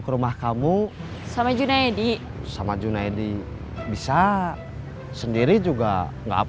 ke rumah kamu sama junaedi sama junaedi bisa sendiri juga enggak apa apa